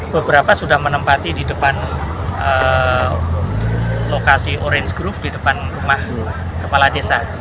beberapa sudah menempati di depan lokasi orange groove di depan rumah kepala desa